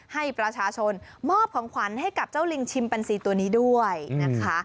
ให้ประชาชนมอบของขวัญให้กับเจ้าลิงชิมปันซีตัวนี้ด้วยนะคะ